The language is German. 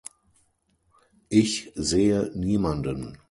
Ich sehe niemanden.